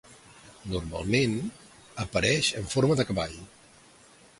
Normalment, apareixen en forma de cavall.